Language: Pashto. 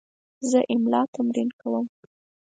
زه املا تمرین کوم.